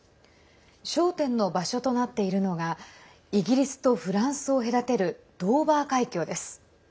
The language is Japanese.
焦点の場所となっているのがイギリスとフランスを隔てるドーバー海峡です。